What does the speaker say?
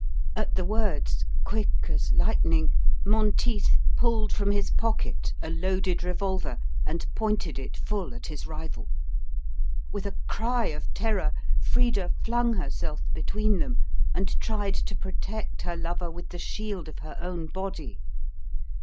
At the words, quick as lightning, Monteith pulled from his pocket a loaded revolver and pointed it full at his rival. With a cry of terror, Frida flung herself between them, and tried to protect her lover with the shield of her own body.